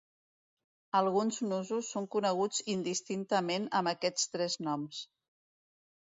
Alguns nusos son coneguts indistintament amb aquests tres noms.